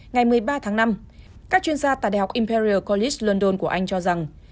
ngày một mươi ba tháng năm các chuyên gia tại đh imperial college london của anh cho rằng